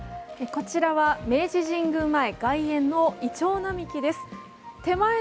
こちらは明治神宮前外苑のいちょう並木です